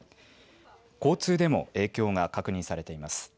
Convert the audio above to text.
交通でも影響が確認されています。